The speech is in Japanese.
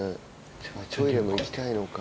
トイレも行きたいのか。